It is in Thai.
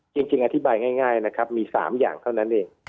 จริงอธิบายง่ายนะครับมี๓อย่างเท่านั้นเอง